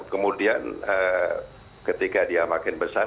kemudian ketika dia makin besar